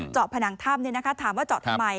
เจาะผนังถ้ำเนี่ยนะคะถามว่าเจาะทำไม